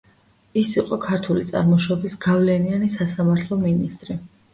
ის იყო ქართული წარმოშობის გავლენიანი სასამართლო მინისტრი.